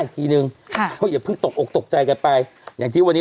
อีกทีนึงค่ะก็อย่าเพิ่งตกออกตกใจกันไปอย่างที่วันนี้